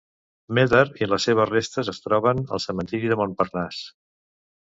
Médard i les seves restes es troben al cementiri de Montparnasse.